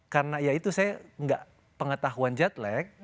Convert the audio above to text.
karena ya itu saya gak pengetahuan jetlag